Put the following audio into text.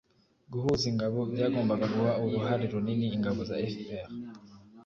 guhuza ingabo byagombaga guha uruhare runini ingabo za fpr